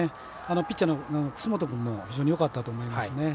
ピッチャーの楠本君も非常によかったと思いますね。